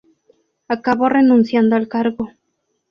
Acabó renunciando al cargo.